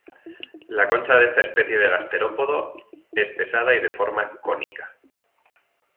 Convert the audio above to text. La concha de esta especie de gasterópodo es pesada y de forma cónica.